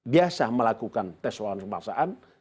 biasa melakukan tes wawasan kebangsaan